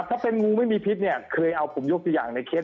ถ้าเป็นงูไม่มีพิษเนี่ยเคยเอาผมยกตัวอย่างในเคส